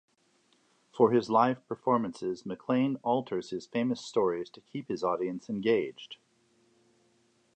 For his live performances, McLean alters his famous stories to keep his audience engaged.